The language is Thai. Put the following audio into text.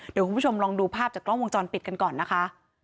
เดี๋ยวคุณผู้ชมลองดูภาพจากกล้องวงจรปิดกันก่อนนะคะ